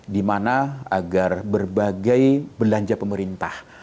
dimana agar berbagai belanja pemerintah